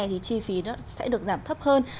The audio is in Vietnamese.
thì chi phí nó sẽ được giảm thấp hơn